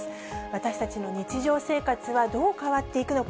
私たちの日常生活はどう変わっていくのか。